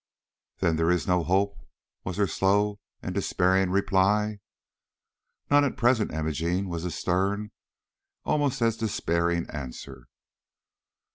"Then there is no hope?" was her slow and despairing reply. "None at present, Imogene," was his stern, almost as despairing, answer.